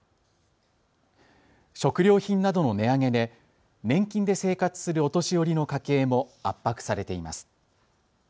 食料品などの値上げで年金で生活するお年寄りの家計も圧迫されています。